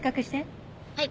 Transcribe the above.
はい。